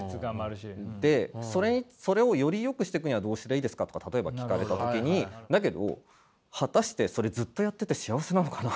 でそれをよりよくしていくにはどうしたらいいですか？とかたとえば聞かれた時にだけど果たしてそれずっとやってて幸せなのかな？